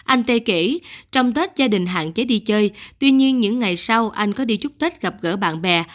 anh tê kể trong tết gia đình hạn chế đi chơi tuy nhiên những ngày sau anh có đi chúc tết gặp gỡ bạn bè